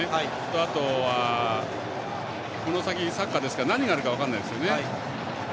あとは、この先サッカーですから何があるか分からないですよね。